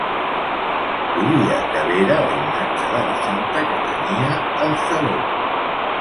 Volia que vera la imatge de la santa que tenia al saló.